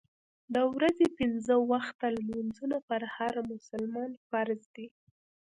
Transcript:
د ورځې پنځه وخته لمونځونه پر هر مسلمان فرض دي.